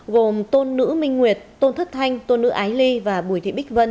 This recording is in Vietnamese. gồm tôn nữ minh nguyệt tôn thất thanh tôn nữ ái ly và bùi thị bích vân